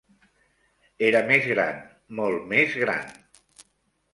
Era més gran, molt més gran.